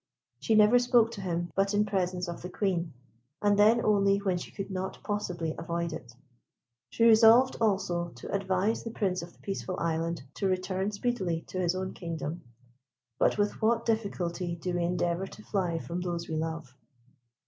She never spoke to him but in presence of the Queen, and then only when she could not possibly avoid it. She resolved also to advise the Prince of the Peaceful Island to return speedily to his own kingdom. But with what difficulty do we endeavour to fly from those we love!